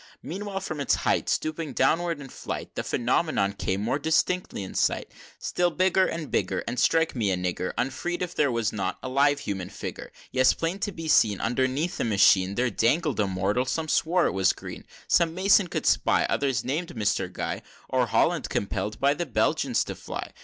Meanwhile, from its height Stooping downward in flight, The Phenomenon came more distinctly in sight: Still bigger and bigger, And strike me a nigger Unfreed, if there was not a live human figure! XVI. Yes, plain to be seen, Underneath the machine, There dangled a mortal some swore it was Green; Some mason could spy; Others named Mr. Gye; Or Holland, compell'd by the Belgians to fly. XVII.